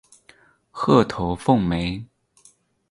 褐头凤鹛。